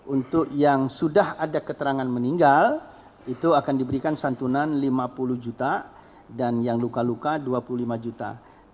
untuk yang sudah ada keterangan meninggal itu akan diberikan santunan lima puluh juta dan yang luka luka dua puluh lima juta